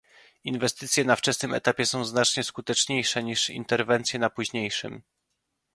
Inwestycje na wczesnym etapie są znacznie skuteczniejsze niż interwencje na późniejszym